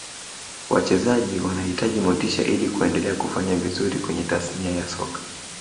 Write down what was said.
wachezaji wanahitaji motisha ili kuendelea kufanya vizuri kwenye tasnia ya soka